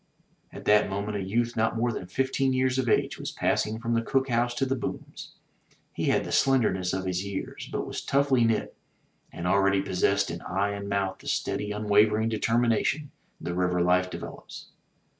'* At that moment a youth not more than fifteen years of age was passing from the cook house to the booms. He had the slender ness of his years, but was toughly knit, and already possessed in eye and mouth the steady unwavering determination the river life develops.